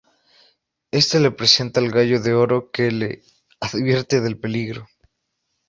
Este le presenta al Gallo de oro que le advierte del peligro.